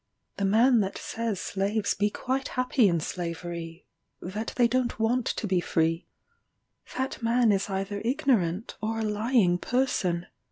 The man that says slaves be quite happy in slavery that they don't want to be free that man is either ignorant or a lying person.